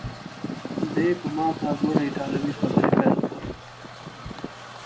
دی په ماته ګوډه ایټالوي خبرې پیل کړې.